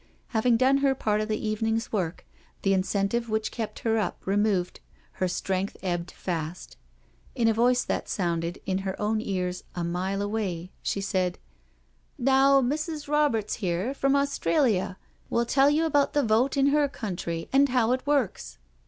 Having done her part of the evening's work, the incentive which kept her up removed, her strength ebbed fast. In a voice that sounded, in her own ears, a mile away, she said: "Now Mrs. Roberts here, from Australia, will tell you about the vote in her country, and how it works."